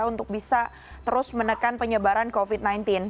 untuk bisa terus menekan penyebaran covid sembilan belas